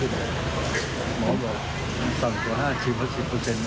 หมอบอกสั่งตัว๕๑๐ที่กินอีกรอบ